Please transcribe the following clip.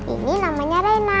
ini namanya rena